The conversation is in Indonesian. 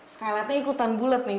skylightnya ikutan bulet nih